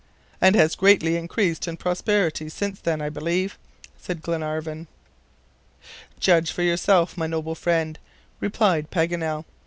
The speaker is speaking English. "And has greatly increased in prosperity since then, I believe," said Glenarvan. "Judge for yourself, my noble friend," replied Paganel.